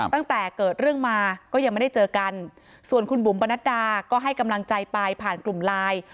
ตั้งแต่เกิดเรื่องมาก็ยังไม่ได้เจอกันส่วนคุณบุ๋มปนัดดาก็ให้กำลังใจไปผ่านกลุ่มไลน์